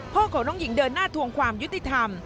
พ่อของน้องหญิงเดินหน้าทวงความยุติธรรม